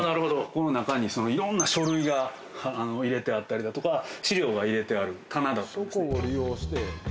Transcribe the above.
この中にいろんな書類が入れてあったりだとか資料が入れてある棚だったんですね。